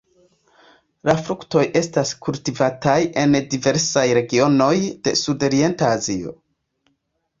La fruktoj estas kultivataj en diversaj regionoj de sudorienta Azio.